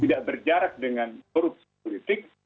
tidak berjarak dengan korupsi politik